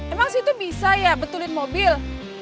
emang sih itu bisa ya betulin mobil